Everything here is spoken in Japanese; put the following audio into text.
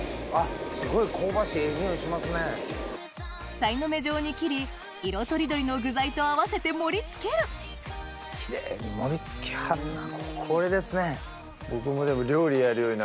さいの目状に切り色取り取りの具材と合わせて盛り付けるこれですね。